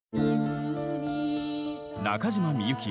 中島みゆき